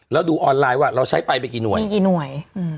แล้วดูออนไลน์ว่าเราใช้ไฟไปกี่หน่วย